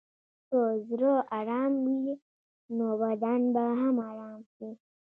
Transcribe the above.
که زړه ارام وي، نو بدن به هم ارام شي.